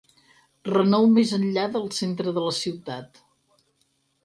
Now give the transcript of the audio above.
Renou més enllà del centre de la ciutat.